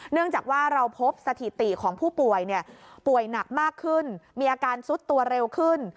เนื่องจากว่าเราพบสถิติของผู้ป่วยป่วยหนักมากขึ้นมีอาการซุดตัวเร็วขึ้น